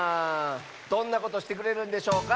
どんなことしてくれるんでしょうか？